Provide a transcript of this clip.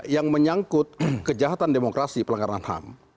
yang menyangkut kejahatan demokrasi pelanggaran ham